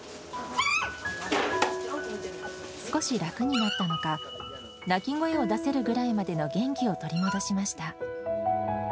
少し楽になったのか、鳴き声を出せるぐらいまでの元気を取り戻しました。